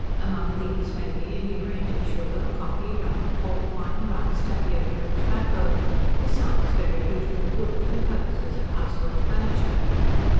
Among these may be enumerated sugar, coffee, rum, port wine, rice, tapioca, and tobacco, besides very beautiful wood for the purposes of household furniture.